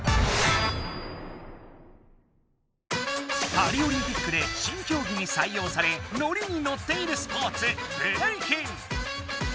パリオリンピックで新競技にさい用されノリにノッているスポーツブレイキン！